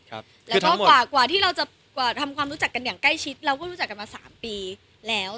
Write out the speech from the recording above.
แล้วก็กว่าที่เราจะกว่าทำความรู้จักกันอย่างใกล้ชิดเราก็รู้จักกันมา๓ปีแล้ว